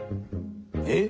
えっ？